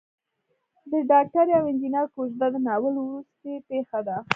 د ډاکټرې او انجنیر کوژده د ناول وروستۍ پېښه ده.